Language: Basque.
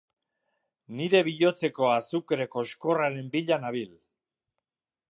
Nire bihotzeko azukre koxkorraren bila nabil.